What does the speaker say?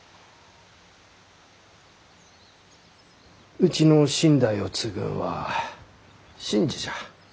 うちの身代を継ぐんは伸治じゃ。